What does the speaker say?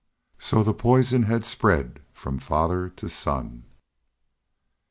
So the poison had spread from father to son.